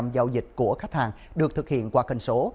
giao dịch của khách hàng được thực hiện qua kênh số